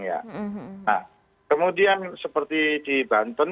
nah kemudian seperti di banten